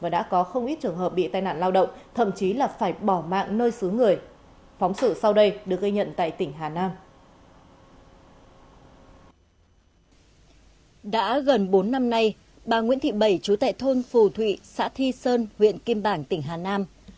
đã gần bốn năm nay bà nguyễn thị bẩy trú tại thôn phù thụy xã thi sơn huyện kim bảng tỉnh hà nam